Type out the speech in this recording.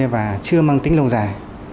và chưa mang tính lâu dài